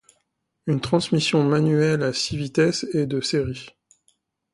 Une transmission manuelle à six vitesses est de série.